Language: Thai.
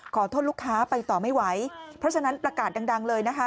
ขอโทษลูกค้าไปต่อไม่ไหวเพราะฉะนั้นประกาศดังเลยนะคะ